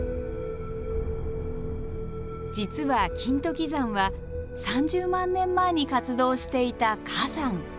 実は金時山は３０万年前に活動していた火山。